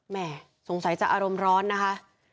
แม่สงสัยจะอารมณ์ร้อนนะคะ